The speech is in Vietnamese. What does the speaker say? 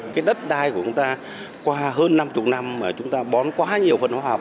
cái đất đai của chúng ta qua hơn năm mươi năm mà chúng ta bón quá nhiều văn hóa học